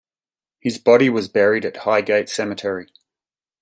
His body was buried at Highgate Cemetery.